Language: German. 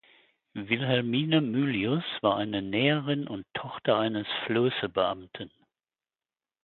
Wilhelmine Mylius war eine Näherin und Tochter eines Flößebeamten.